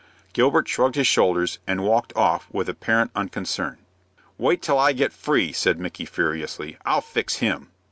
Gilbert shrugged his shoulders, and walked off with apparent unconcern. "Wait till I get free," said Micky, furiously. "I'll fix him."